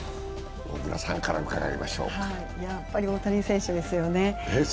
やっぱり大谷選手ですよね。